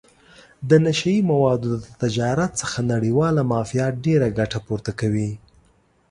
د نشه یي موادو د تجارت څخه نړیواله مافیا ډېره ګټه پورته کوي.